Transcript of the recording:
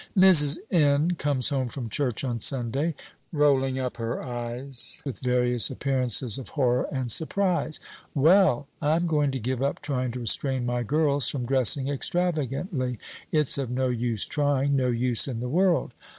Mrs. N. comes home from church on Sunday, rolling up her eyes with various appearances of horror and surprise. "Well! I am going to give up trying to restrain my girls from dressing extravagantly; it's of no use trying! no use in the world."